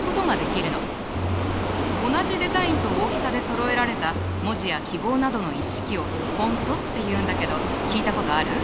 同じデザインと大きさでそろえられた文字や記号などの一式をフォントっていうんだけど聞いたことある？